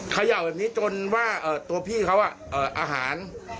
เขย่าแบบนี้จนว่าตัวพี่เขาอาหาร